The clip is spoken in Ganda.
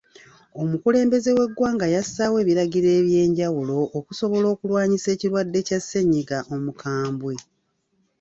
Omukulemelembeze w'eggwanga yassaawo ebiragiro eby'enjawulo okusobola okulwanyisa ekirwadde kya ssennyiga omukambwe.